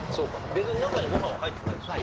中にご飯は入ってないですよね。